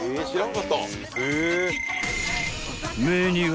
［メニューは］